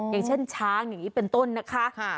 อย่างเช่นช้างอย่างนี้เป็นต้นนะคะ